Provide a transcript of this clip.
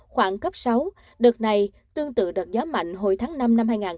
khoảng cấp sáu đợt này tương tự đợt gió mạnh hồi tháng năm năm hai nghìn một mươi một